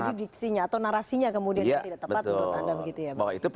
jadi diksinya atau narasinya kemudiannya tidak tepat menurut anda begitu ya